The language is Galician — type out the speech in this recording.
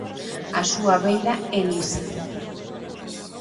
A súa beira é lisa.